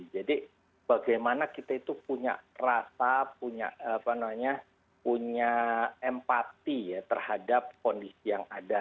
jadi bagaimana kita itu punya rasa punya empati ya terhadap kondisi yang ada